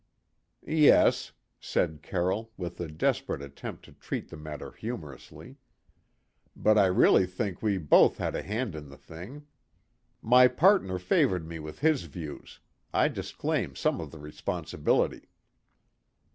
"Yes," said Carroll, with a desperate attempt to treat the matter humourously. "But I really think we both had a hand in the thing. My partner favoured me with his views; I disclaim some of the responsibility."